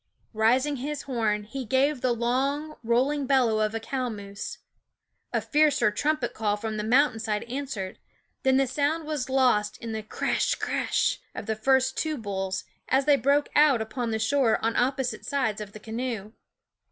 Raising his horn, he gave the long, rolling bellow of a cow moose. A fiercer trumpet call from the mountain side answered ; then the sound was lost in the crash crash of the first two bulls, as they broke out upon the shore on opposite sides of the canoe.